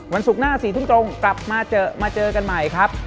ศุกร์หน้า๔ทุ่มตรงกลับมาเจอมาเจอกันใหม่ครับ